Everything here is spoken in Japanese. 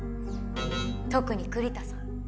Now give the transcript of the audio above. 特に栗田さん。